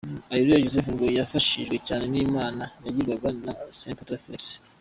Areruya Joseph ngo yafashijwe cyane n’inama yagirwaga na Sempoma Felix